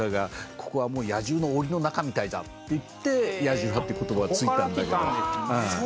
「ここはもう野獣のおりの中みたいだ」って言って「野獣派」って言葉がついたんだけどね。